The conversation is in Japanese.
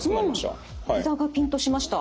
ひざがピンとしました。